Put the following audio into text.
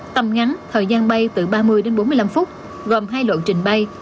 tầm ngắn thời gian bay từ ba mươi đến bốn mươi năm phút gồm hai lộ trình bay